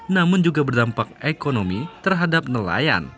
namun juga berdampak ekonomi terhadap nelayan